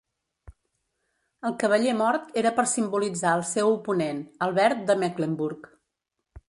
El cavaller mort era per simbolitzar el seu oponent, Albert de Mecklenburg.